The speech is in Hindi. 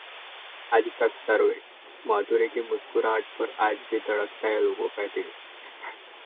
आजतक सर्वे: माधुरी की मुस्कुराहट पर आज भी धड़कता है लोगों का दिल